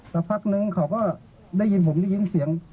สักพักนึงเขาก็ได้ยินผมได้ยินเสียง